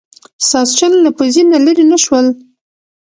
ساسچن له پوزې نه لرې نه شول.